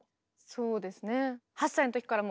そうですね。